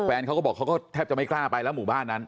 แฟนเขาก็บอกเขาก็แทบจะไม่กล้าไปแล้วหมู่บ้านนั้น